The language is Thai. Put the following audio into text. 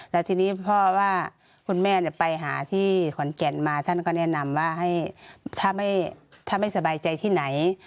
แล้วทีนี้พ่อว่าคุณแม่ไปหาที่ขอนแก่นมาท่านก็แนะนำว่าให้ถ้าไม่สบายใจที่ไหน